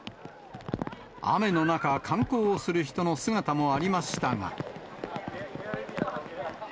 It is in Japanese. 雨の中、観光をする人の姿もありましたが。